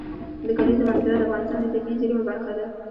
د کلیزو منظره د افغانستان د طبیعي زیرمو برخه ده.